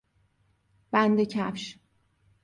بند کفش